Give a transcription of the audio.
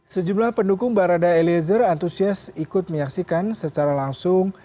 sejumlah pendukung barada eliezer antusias ikut menyaksikan secara langsung